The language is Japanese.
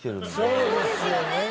そうですよね。